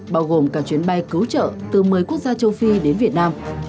bao gồm cả chuyến bay cứu trợ từ một mươi quốc gia châu phi đến việt nam